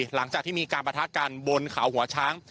หลังจากที่มีการประทะกันบนเขาหัวช้าง